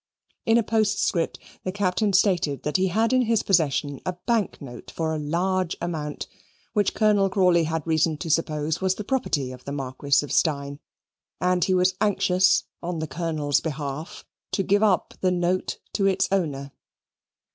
In a postscript the Captain stated that he had in his possession a bank note for a large amount, which Colonel Crawley had reason to suppose was the property of the Marquis of Steyne. And he was anxious, on the Colonel's behalf, to give up the note to its owner.